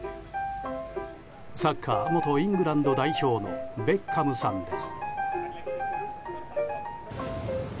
サッカー元イングランド代表のベッカムさんです。